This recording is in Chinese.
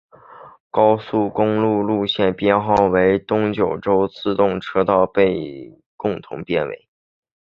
高速公路路线编号与东九州自动车道被共同编为。